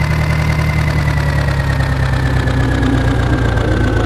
Las balas continuarían su trayectoria gracias a la "velocidad residual" del obús.